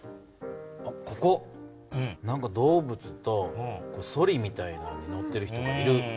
ここ何か動物とソリみたいなのに乗ってる人がいる。